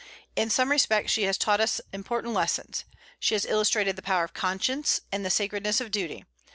In some respects she has taught important lessons. She has illustrated the power of conscience and the sacredness of duty.